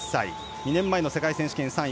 ２年前の世界選手権３位。